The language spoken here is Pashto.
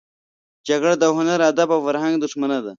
جګړه د هنر، ادب او فرهنګ دښمنه ده